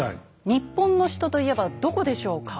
日本の首都と言えばどこでしょうか？